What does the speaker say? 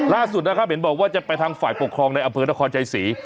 ล่าสุดนะครับเห็นบอกว่าจะไปทางฝ่ายปกครองในอำเภอนครใจศรี